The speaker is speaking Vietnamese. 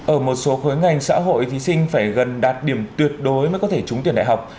ở một số khối ngành xã hội thí sinh phải gần đạt điểm tuyệt đối mới có thể trúng tuyển đại học